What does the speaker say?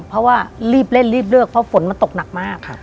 เพราะว่ารีบเล่นรีบเลือกเพราะฝนมันตกหนักมาก